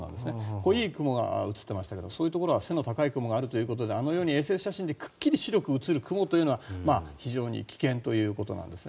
濃い雲が写ってましたがそういうところは背の高い雲があるということであのように衛星写真でくっきり白く写る雲というのは非常に危険ということなんですね。